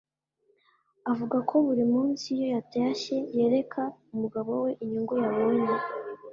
Avuga ko buri munsi iyo yatashye yereka umugabo we inyungu yabonye